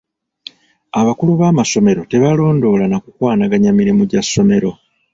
Abakulu b'amasomero tebalondoola na kukwanaganya mirimu gya ssomero.